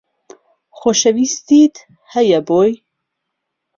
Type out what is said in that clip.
خۆشەویستیت هەیە بۆی